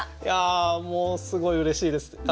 いやもうすごいうれしいです。